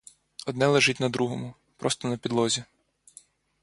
Одне лежить на другому, просто на підлозі.